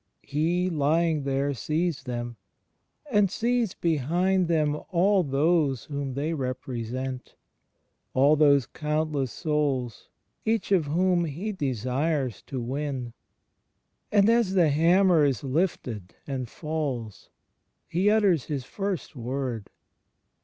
He, lying there, sees them, and sees behind them all those whom they represent — all those coimtless souls each one of whom He desires to win. And, as the hammer is lifted and falls. He utters His first Word.